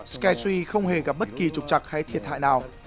skytree không hề gặp bất kỳ trục trặc hay thiệt hại nào